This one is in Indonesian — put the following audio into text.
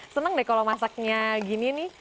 senang deh kalau masaknya gini nih